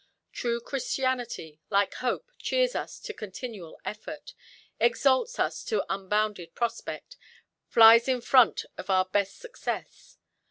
True Christianity, like hope, cheers us to continual effort, exalts us to unbounded prospect, flies in front of our best success.